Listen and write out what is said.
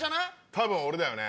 多分俺だよね。